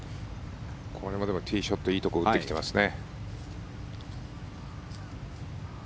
これもティーショットいいところに打ってきてますね。